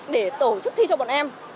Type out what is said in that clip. để tổ chức thi cho bọn em